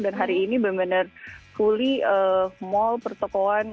dan hari ini benar benar huli mal pertokohan